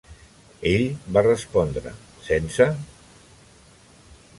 Ell va respondre: "Sense?"